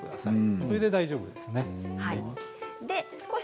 これで大丈夫です。